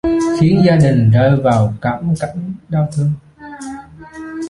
Khiến gia đình rơi vào cám cảnh đau thương